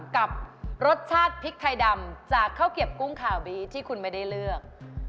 กับรสชาติพริกไทยดำจากข้าวเก็บกุ้งข่าวบีที่คุณไม่ได้เลือก